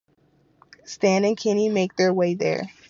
Stan and Kenny make their way there.